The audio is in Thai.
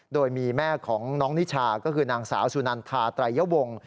โดยมีแม่ของน้องนิชาก็คือนางสาวสุนันทาไตรยวงศ์